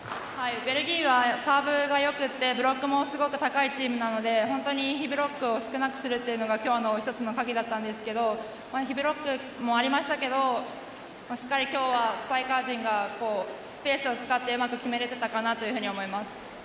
ベルギーはサーブが良くてブロックもすごい高いチームなので本当に被ブロックを少なくするのが今日の１つの鍵だったんですが被ブロックもありましたけどしっかり今日はスパイカー陣がスペースを使ってうまく決められていたと思います。